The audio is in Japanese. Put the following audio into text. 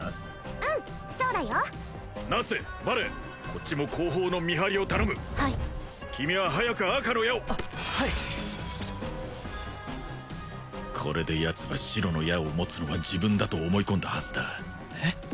うんそうだよナッセバレこっちも後方の見張りを頼むはい君は早く赤の矢をあっはいこれでやつは白の矢を持つのは自分だと思い込んだはずだえっ？